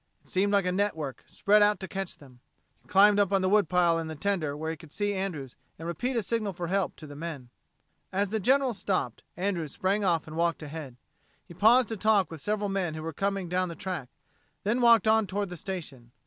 It seemed like a network, spread out to catch them. He climbed up on the wood pile in the tender where he could see Andrews and repeat a signal for help to the men. As the General stopped, Andrews sprang off and walked ahead. He paused to talk with several men who were coming down the track, then walked on toward the station.